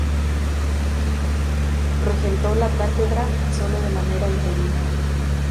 Regentó la cátedra, solo de manera interina.